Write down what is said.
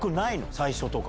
最初とか。